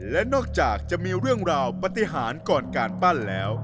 และนอกจากจะมีเรื่องราวปฏิหารก่อนการปั้นแล้ว